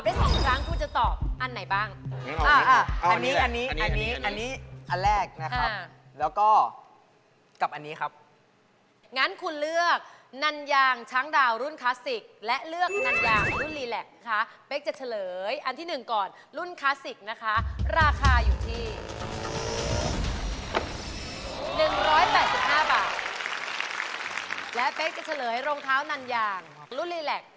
ฮัลโหลฮัลโหลฮัลโหลฮัลโหลฮัลโหลฮัลโหลฮัลโหลฮัลโหลฮัลโหลฮัลโหลฮัลโหลฮัลโหลฮัลโหลฮัลโหลฮัลโหลฮัลโหลฮัลโหลฮัลโหลฮัลโหลฮัลโหลฮัลโหลฮัลโหลฮัลโหลฮัลโหลฮัลโหลฮัลโหลฮัลโหลฮัลโ